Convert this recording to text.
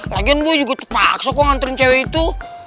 lagian boy juga terpaksa kok ngantriin cewek itu